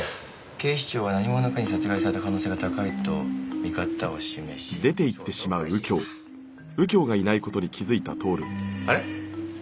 「警視庁は何者かに殺害された可能性が高いとの見方を示し捜査を開始した」あれ？